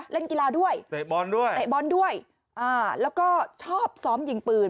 เล่นกีฬาด้วยเตะบอลด้วยแล้วก็ชอบซ้อมยิงปืน